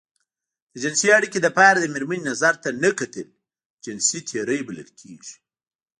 د جنسي اړيکې لپاره د مېرمنې نظر ته نه کتل جنسي تېری بلل کېږي.